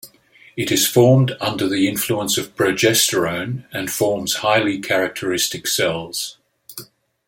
It is formed under the influence of progesterone and forms highly characteristic cells.